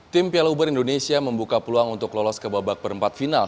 tim piala uber indonesia membuka peluang untuk lolos ke babak perempat final